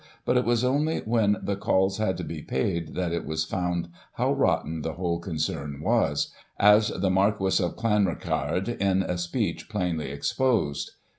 but it was only when the calls had to be paid, that it was found how rotten the whole concern was, as the Marquis of Clanricarde, in a speech, plainly exposed.